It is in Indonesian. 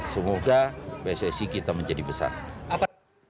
semoga pssi kita menjadi besar